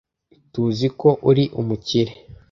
Tuziko uri umukire.